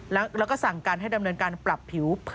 แล้วก็สั่งการให้ดำเนินการปรับผิว